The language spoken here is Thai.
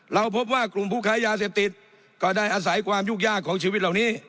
เราพบว่ากลุ่มผู้ค้ายาเสพติดก็ได้อาศัยความยุ่งยากของชีวิตเหล่านี้